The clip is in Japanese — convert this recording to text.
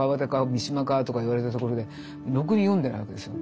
三島か？」とか言われたところでろくに読んでないわけですよ。